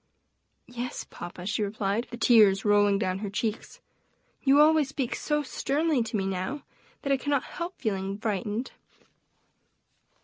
"Yes, papa," she replied, the tears rolling down her cheeks, "you always speak so sternly to me now, that I cannot help feeling frightened."